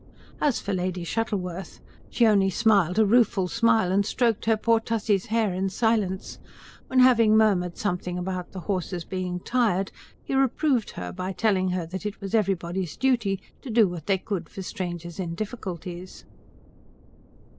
As for Lady Shuttleworth, she only smiled a rueful smile and stroked her poor Tussie's hair in silence when, having murmured something about the horses being tired, he reproved her by telling her that it was everybody's duty to do what they could for strangers in difficulties.